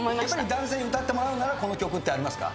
男性に歌ってもらうならこの曲ってありますか？